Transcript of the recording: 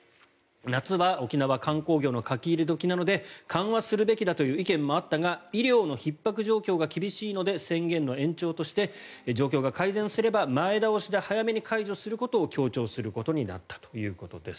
夏は沖縄観光業の書き入れ時なので緩和するべきだという意見もあったが医療のひっ迫状況が厳しいので宣言の延長として状況が改善すれば前倒しで早めに解除することを強調することになったということです。